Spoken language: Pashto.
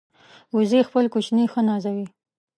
وزې خپل کوچني ښه نازوي